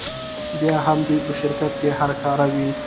بیا هم دوی په شرکت کې هر کاره وي